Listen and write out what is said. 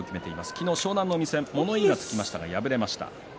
昨日の湘南乃海戦は物言いがつきましたが敗れました。